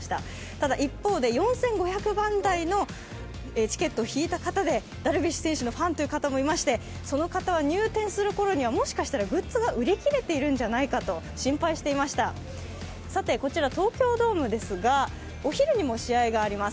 ただ一方で４５００番台のチケットを引いた方でダルビッシュ選手のファンという方もいまして、その方は入店するころにはもしかしたらグッズが売り切れているんじゃないかと心配していました、こちら、東京ドームですが、お昼にも試合があります